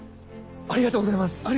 ありがとうございます！